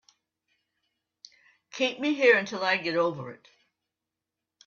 Keep me here until I get over it.